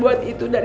bahkan aku mau cari